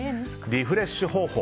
リフレッシュ方法